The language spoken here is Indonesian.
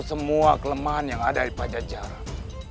semua kelemahan yang ada di pajak jajaran